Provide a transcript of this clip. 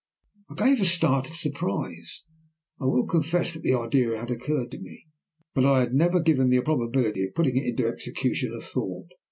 I gave a start of surprise. I will confess that the idea had occurred to me, but I had never given the probability of putting it into execution a thought.